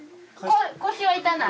腰は痛ない？